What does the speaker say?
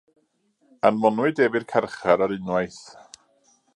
Anfonwyd ef i'r carchar ar unwaith.